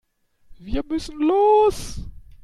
Wir müssen los.